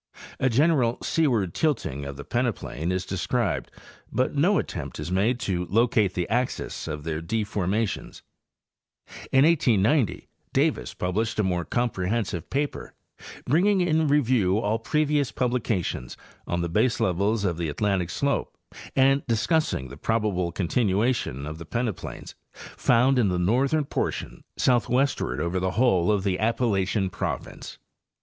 A general seaward tilting of the peneplain is described, but no attempt is made to locate the axes of their deformations. In 1890 Davis published a more comprehensive paper,} bringing in review all previous publications on the base levels of the Atlantic slope and discussing the probable continua tion of the peneplains, found in the northern portion southwest ward over the whole of the Appalachian province.